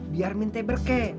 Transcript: biar minta berke